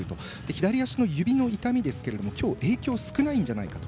左足の指の痛みですが今日は影響が少ないんじゃないかと。